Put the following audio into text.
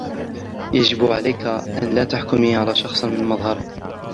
يجب عليكِ أن لا تحكمىِِ علىَ شخص من مظهرهُ.